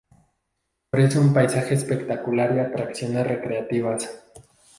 Ofrece un paisaje espectacular y atracciones recreativas.